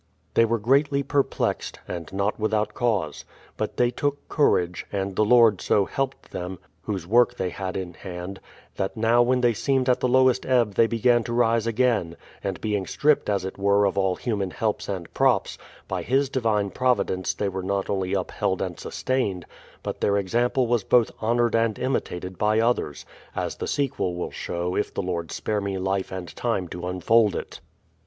They were greatly perplexed — and not without cause. But they took courage, and the Lord so helped them. Whose work they had in hand, that now when they seemed at the lowest ebb they began to rise again; and being stripped as it were of all human helps and props, by His divine providence they were not only upheld and sustained, but their example was both honoured and imitated by others; as the sequel will show if the Lord spare me life and time to unfold it.